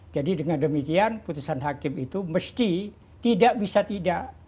jadi dengan demikian putusan hakim itu mesti tidak bisa tidak